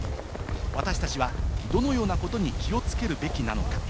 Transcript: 私達はどのようなことに気をつけるべきなのか？